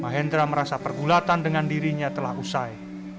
mahendra merasa pergulatan dengan dirinya telah usai